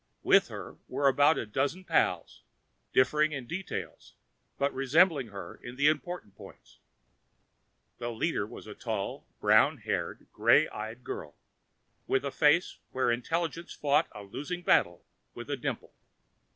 With her were about a dozen pals, differing in details, but resembling her in the important points. The leader was a tall, brown haired, gray eyed girl, with a face where intellect fought a losing battle with a dimple.